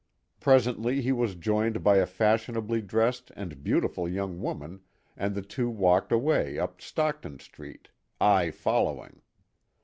Presently he was joined by a fashionably dressed and beautiful young woman and the two walked away up Stockton street, I following.